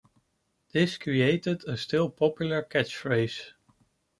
This created a still-popular catchphrase.